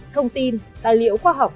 thông tin tài liệu khoa học